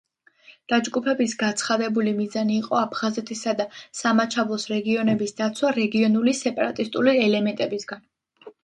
დაჯგუფების გაცხადებული მიზანი იყო აფხაზეთისა და სამაჩაბლოს რეგიონების დაცვა რეგიონული სეპარატისტული ელემენტებისგან.